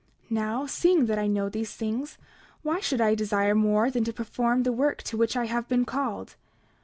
29:6 Now, seeing that I know these things, why should I desire more than to perform the work to which I have been called?